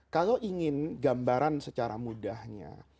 kalau ingin gambaran secara mudahnya